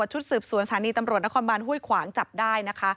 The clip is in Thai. ชุดสืบสวนสถานีตำรวจนครบานห้วยขวางจับได้นะคะ